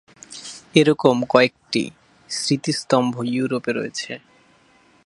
এরকম আরও কয়েকটি স্মৃতিস্তম্ভ ইউরোপে রয়েছে।